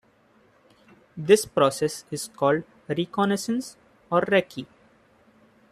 This process is called reconnaissance or recce.